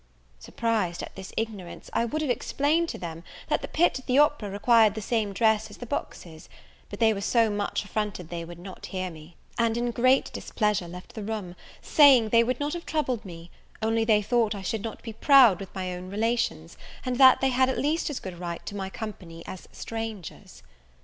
Surprised at this ignorance, I would have explained to them, that the pit at the opera required the same dress as the boxes; but they were so much affronted they would not hear me; and, in great displeasure, left the room, saying, they would not have troubled me, only they thought I should not be proud with my own relations, and that they had at least as good a right to my company as strangers.